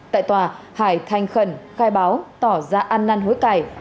tại tòa hải thành khẩn khai báo tỏ ra ăn năn hối cải